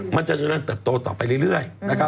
มันจะเจริญเติบโตต่อไปเรื่อย